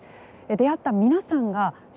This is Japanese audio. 出会った皆さんが「勝利」